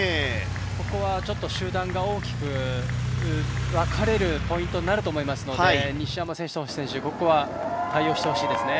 ここは集団が大きく分かれるポイントになると思いますので西山選手と星選手、ここは対応してほしいですね。